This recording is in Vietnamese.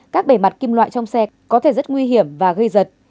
các bề mặt kim loại trong xe có thể rất nguy hiểm và gây giật